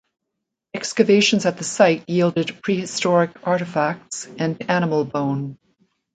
Excavations at the site yielded Prehistoric artifacts and animal bone.